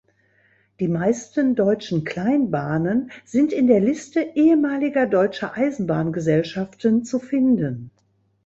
Die meisten deutschen Kleinbahnen sind in der Liste ehemaliger deutscher Eisenbahngesellschaften zu finden.